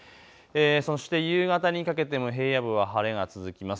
そして夕方にかけても平野部は晴れが続きます。